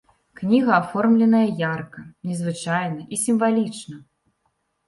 Кніга аформленая ярка, незвычайна і сімвалічна.